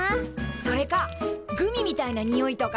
それかグミみたいなにおいとか。